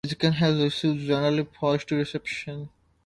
Blaziken has received generally positive reception.